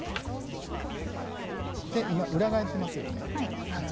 今、裏返ってますよね。